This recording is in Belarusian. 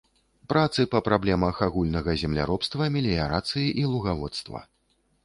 Працы па праблемах агульнага земляробства, меліярацыі і лугаводства.